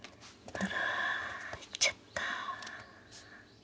あら逝っちゃった。